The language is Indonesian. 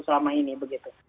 selama ini begitu